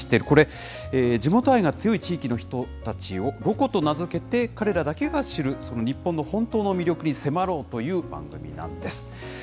これ、地元愛が強い地域の人たちをロコと名付けて、彼らだけが知る、その日本の本当の魅力に迫ろうという番組なんです。